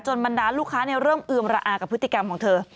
บรรดาลูกค้าเริ่มเอือมระอากับพฤติกรรมของเธอ